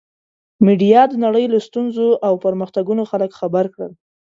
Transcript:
میډیا د نړۍ له ستونزو او پرمختګونو خلک خبر کړل.